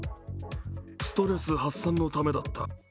ストレス発散のためだった。